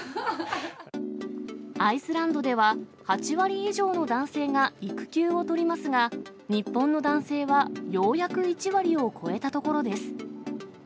アイスランドでは、８割以上の男性が育休を取りますが、日本の男性は、ようやく１割を超えたところです。